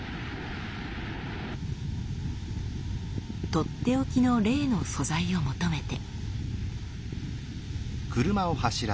とっておきのレイの素材を求めて。